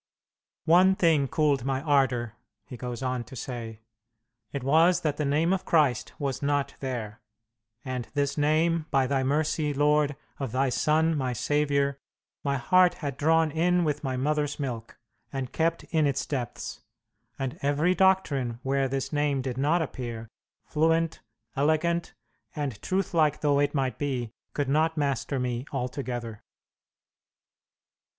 ." "One thing cooled my ardour," he goes on to say; "it was that the Name of Christ was not there, and this Name, by Thy mercy, Lord, of Thy Son, my Saviour, my heart had drawn in with my mother's milk, and kept in its depths, and every doctrine where this Name did not appear, fluent, elegant, and truth like though it might be, could not master me altogether."